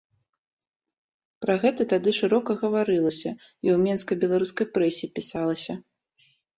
Пра гэта тады шырока гаварылася і ў менскай беларускай прэсе пісалася.